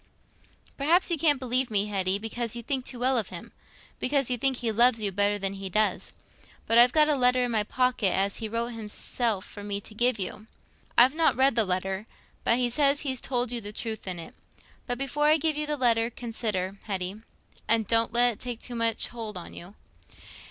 "Perhaps you can't believe me, Hetty, because you think too well of him—because you think he loves you better than he does. But I've got a letter i' my pocket, as he wrote himself for me to give you. I've not read the letter, but he says he's told you the truth in it. But before I give you the letter, consider, Hetty, and don't let it take too much hold on you.